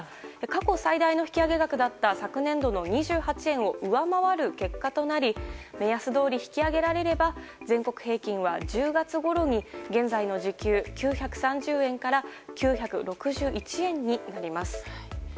過去最大の引き上げ額だった昨年度の２８円を上回る結果となり目安どおり引き上げられれば全国平均は１０月ごろに現在の時給９３０円から９６１円になります。